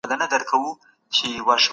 الله د ټولو کایناتو مالک او خالق دی.